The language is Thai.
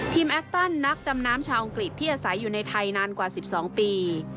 แอคตันนักดำน้ำชาวอังกฤษที่อาศัยอยู่ในไทยนานกว่า๑๒ปี